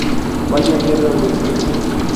Vaya mierda de sueño".